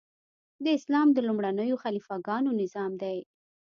د اسلام د لومړنیو خلیفه ګانو نظام دی.